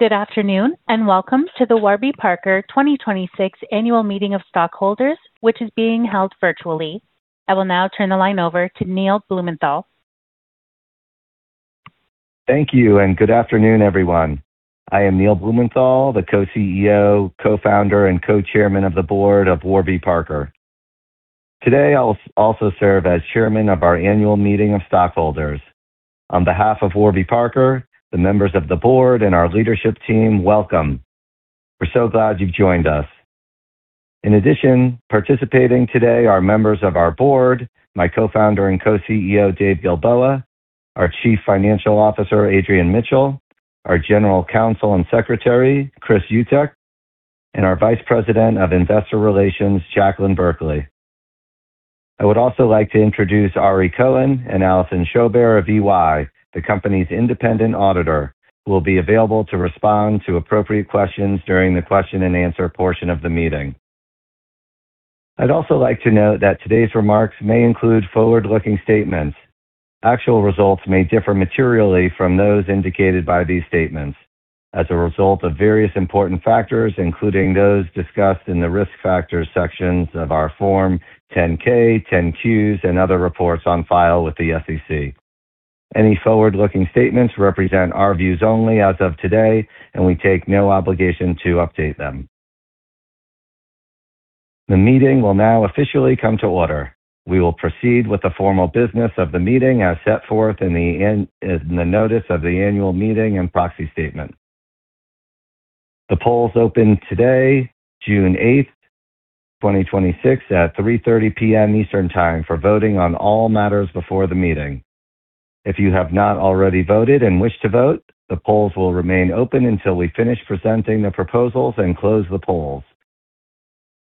Good afternoon, and welcome to the Warby Parker 2026 annual meeting of stockholders, which is being held virtually. I will now turn the line over to Neil Blumenthal. Thank you, and good afternoon, everyone. I am Neil Blumenthal, the Co-CEO, Co-founder, and Co-chairman of the board of Warby Parker. Today, I'll also serve as chairman of our annual meeting of stockholders. On behalf of Warby Parker, the members of the board, and our leadership team, welcome. We're so glad you've joined us. In addition, participating today are members of our board, my Co-founder and Co-CEO, Dave Gilboa, our Chief Financial Officer, Adrian Mitchell, our General Counsel and Secretary, Chris Utecht, and our Vice President of Investor Relations, Jaclyn Berkley. I would also like to introduce Ari Cohen and Allison Schober of EY, the company's Independent Auditor, who will be available to respond to appropriate questions during the question-and-answer portion of the meeting. I'd also like to note that today's remarks may include forward-looking statements. Actual results may differ materially from those indicated by these statements as a result of various important factors, including those discussed in the Risk Factors sections of our Form 10-K, 10-Qs, and other reports on file with the SEC. Any forward-looking statements represent our views only as of today, and we take no obligation to update them. The meeting will now officially come to order. We will proceed with the formal business of the meeting as set forth in the notice of the annual meeting and proxy statement. The polls opened today, June 8th, 2026, at 3:30 P.M. Eastern Time for voting on all matters before the meeting. If you have not already voted and wish to vote, the polls will remain open until we finish presenting the proposals and close the polls.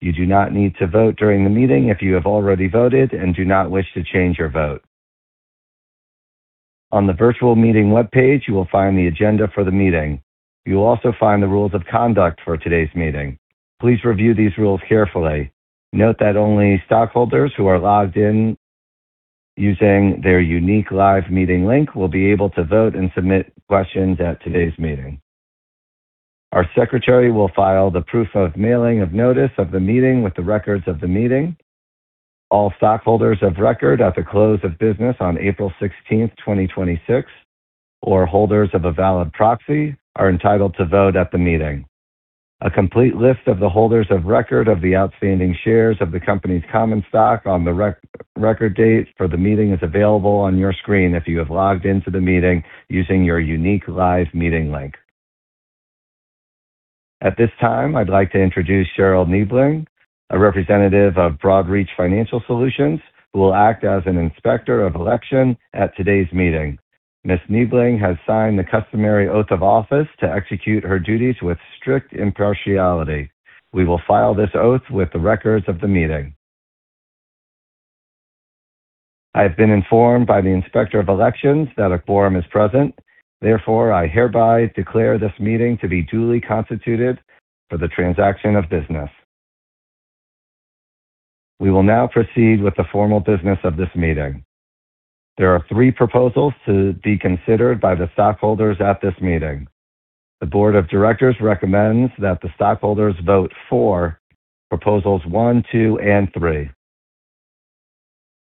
You do not need to vote during the meeting if you have already voted and do not wish to change your vote. On the virtual meeting webpage, you will find the agenda for the meeting. You will also find the rules of conduct for today's meeting. Please review these rules carefully. Note that only stockholders who are logged in using their unique live meeting link will be able to vote and submit questions at today's meeting. Our Secretary will file the proof of mailing of the notice of the meeting with the records of the meeting. All stockholders of record at the close of business on April 16th, 2026, or holders of a valid proxy, are entitled to vote at the meeting. A complete list of the holders of record of the outstanding shares of the company's common stock on the record date for the meeting is available on your screen if you have logged in to the meeting using your unique live meeting link. At this time, I'd like to introduce Cheryl Niebling, a representative of Broadridge Financial Solutions, who will act as an inspector of election at today's meeting. Ms. Niebling has signed the customary oath of office to execute her duties with strict impartiality. We will file this oath with the records of the meeting. I have been informed by the Inspector of Elections that a quorum is present. Therefore, I hereby declare this meeting to be duly constituted for the transaction of business. We will now proceed with the formal business of this meeting. There are three proposals to be considered by the stockholders at this meeting. The board of directors recommends that the stockholders vote for Proposals 1, 2, and 3.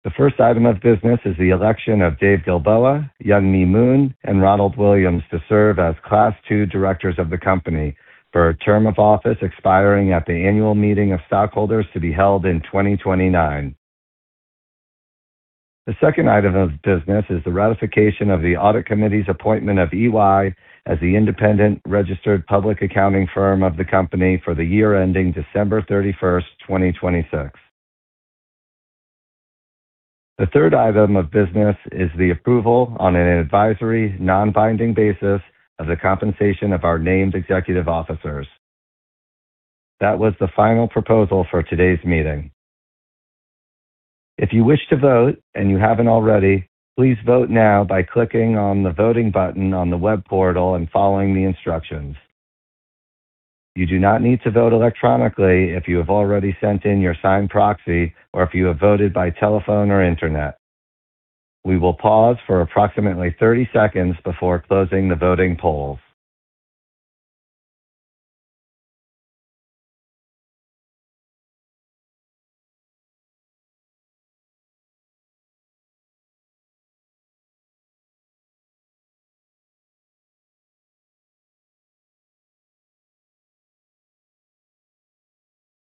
The first item of business is the election of Dave Gilboa, Youngme Moon, and Ronald Williams to serve as Class II Directors of the company for a term of office expiring at the annual meeting of stockholders to be held in 2029. The second item of business is the ratification of the audit committee's appointment of EY as the independent registered public accounting firm of the company for the year ending December 31st, 2026. The third item of business is the approval on an advisory, non-binding basis of the compensation of our named executive officers. That was the final proposal for today's meeting. If you wish to vote and you haven't already, please vote now by clicking on the voting button on the web portal and following the instructions. You do not need to vote electronically if you have already sent in your signed proxy or if you have voted by telephone or internet. We will pause for approximately 30 seconds before closing the voting polls.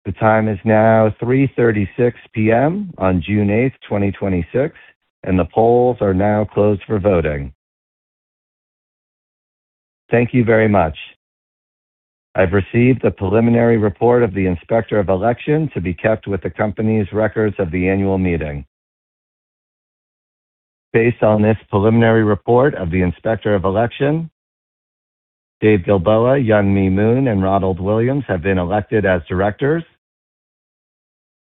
The time is now 3:36 P.M. on June 8th, 2026, and the polls are now closed for voting. Thank you very much. I've received the preliminary report of the Inspector of Elections to be kept with the company's records of the annual meeting. Based on this preliminary report of the Inspector of Elections, Dave Gilboa, Youngme Moon, and Ronald Williams have been elected as Directors.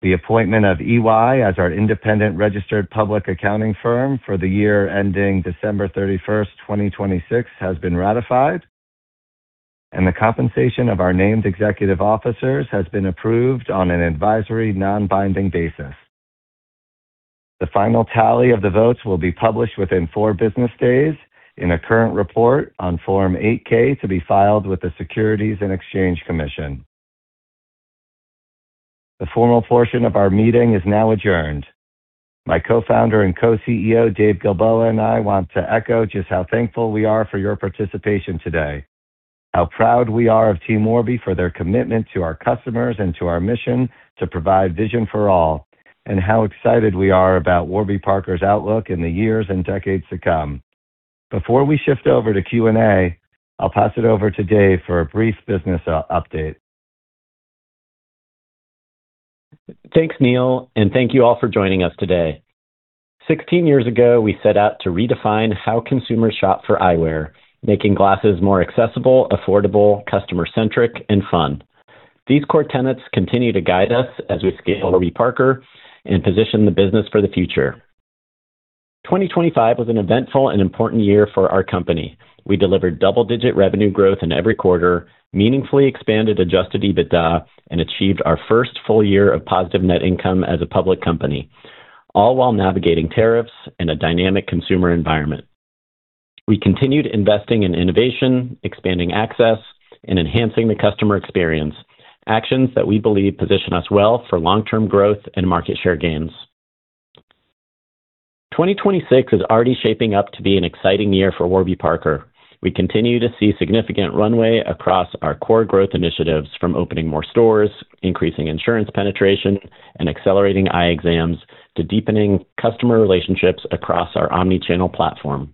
The appointment of EY as our independent registered public accounting firm for the year ending December 31st, 2026, has been ratified, and the compensation of our named executive officers has been approved on an advisory, non-binding basis. The final tally of the votes will be published within four business days in a current report on Form 8-K to be filed with the Securities and Exchange Commission. The formal portion of our meeting is now adjourned. My Co-Founder and Co-CEO, Dave Gilboa, and I want to echo just how thankful we are for your participation today, how proud we are of Team Warby for their commitment to our customers and to our mission to provide vision for all, and how excited we are about Warby Parker's outlook in the years and decades to come. Before we shift over to Q&A, I'll pass it over to Dave for a brief business update. Thanks, Neil, and thank you all for joining us today. 16 years ago, we set out to redefine how consumers shop for eyewear, making glasses more accessible, affordable, customer-centric, and fun. These core tenets continue to guide us as we scale Warby Parker and position the business for the future. 2025 was an eventful and important year for our company. We delivered double-digit revenue growth in every quarter, meaningfully expanded adjusted EBITDA, and achieved our first full year of positive net income as a public company, all while navigating tariffs and a dynamic consumer environment. We continued investing in innovation, expanding access, and enhancing the customer experience, actions that we believe position us well for long-term growth and market share gains. 2026 is already shaping up to be an exciting year for Warby Parker. We continue to see significant runway across our core growth initiatives, from opening more stores, increasing insurance penetration, and accelerating eye exams, to deepening customer relationships across our omni-channel platform.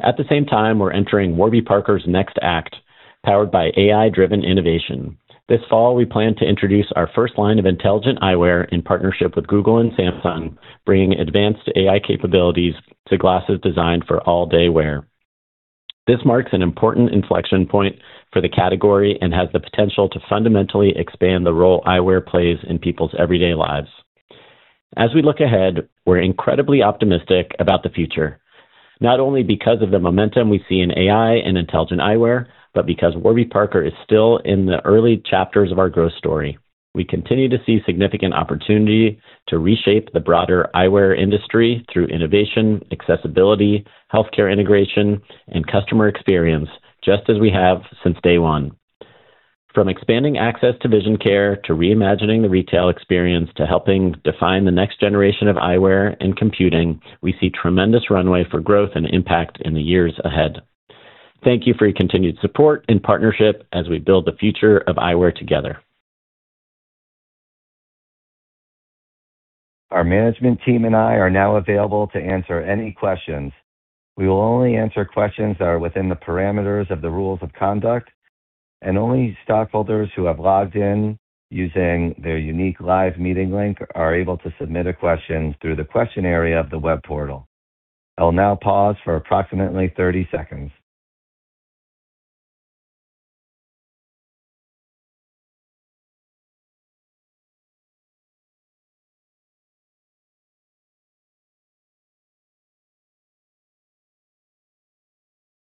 At the same time, we're entering Warby Parker's next act, powered by AI-driven innovation. This fall, we plan to introduce our first line of Intelligent Eyewear in partnership with Google and Samsung, bringing advanced AI capabilities to glasses designed for all-day wear. This marks an important inflection point for the category and has the potential to fundamentally expand the role eyewear plays in people's everyday lives. As we look ahead, we're incredibly optimistic about the future, not only because of the momentum we see in AI and Intelligent Eyewear, but because Warby Parker is still in the early chapters of our growth story. We continue to see significant opportunities to reshape the broader eyewear industry through innovation, accessibility, healthcare integration, and customer experience, just as we have since day one. From expanding access to vision care to reimagining the retail experience to helping define the next generation of eyewear and computing, we see tremendous runway for growth and impact in the years ahead. Thank you for your continued support and partnership as we build the future of eyewear together. Our management team and I are now available to answer any questions. We will only answer questions that are within the parameters of the rules of conduct, and only stockholders who have logged in using their unique live meeting link are able to submit a question through the question area of the web portal. I will now pause for approximately 30 seconds.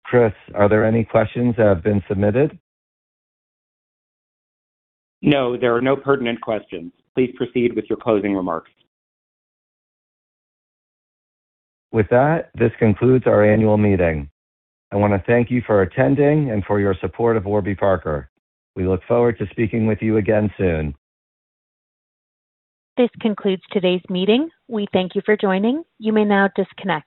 Chris, are there any questions that have been submitted? No, there are no pertinent questions. Please proceed with your closing remarks. With that, this concludes our annual meeting. I want to thank you for attending and for your support of Warby Parker. We look forward to speaking with you again soon. This concludes today's meeting. We thank you for joining. You may now disconnect.